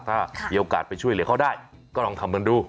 ถ้ามีโอกาสไปช่วยเหลือเขาได้ก็ลองทำกันดู